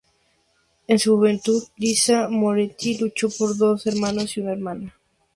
En su juventud, Lisa Moretti luchó con sus dos hermanos y una hermana.